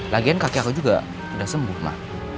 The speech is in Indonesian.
lagian kaki aku juga udah sembuh mah